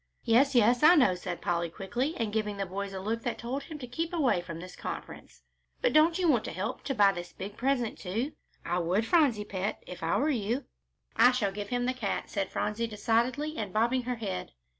"Yes, yes, I know," said Polly, quickly, and giving the boys a look that told them to keep away from this conference; "but don't you want to help to buy this big present, too? I would, Phronsie pet, if I were you!" "I shall give him the cat," said Phronsie, decidedly and bobbing her head.